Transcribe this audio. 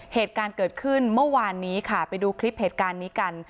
เหตุการณ์เกิดขึ้นเมื่อวานนี้ค่ะไปดูคลิปเหตุการณ์นี้กัน